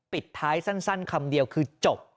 ปิดท้ายสั้นคำเดียวคือจบ